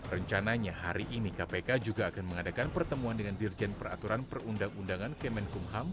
rencananya hari ini kpk juga akan mengadakan pertemuan dengan dirjen peraturan perundang undangan kemenkumham